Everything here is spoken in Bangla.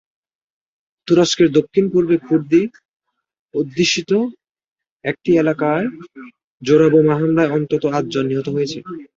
তুরস্কের দক্ষিণ-পূর্বে কুর্দি-অধ্যুষিত একটি এলাকায় জোড়া বোমা হামলায় অন্তত আটজন নিহত হয়েছে।